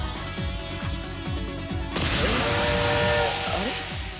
あれ？